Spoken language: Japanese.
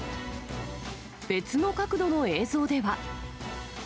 別の角度の映像では。